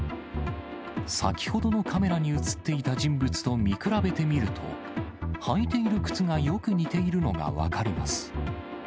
先ほどのカメラに写っていた人物と見比べてみると、履いている靴がよく似ているのが分かります。